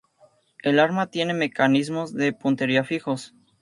El arma tiene mecanismos de puntería fijos.